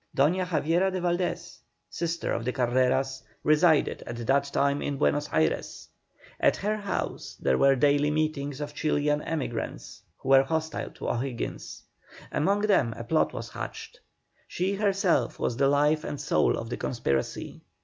Doña Javiera de Valdés, sister of the Carreras, resided at that time in Buenos Ayres. At her house there were daily meetings of Chilian emigrants who were hostile to O'Higgins. Among them a plot was hatched. She herself was the life and soul of the conspiracy.